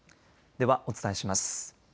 ではお伝えします。